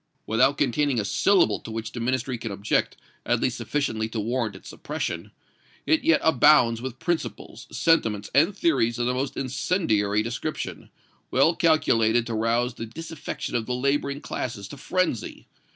"Without containing a syllable to which the Ministry can object, at least sufficiently to warrant its suppression, it yet abounds with principles, sentiments and theories of the most incendiary description, well calculated to rouse the disaffection of the laboring classes to frenzy.